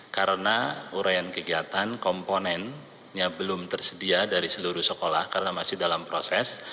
karena urean kegiatan komponennya belum tersedia dari seluruh sekolah karena masih dalam proses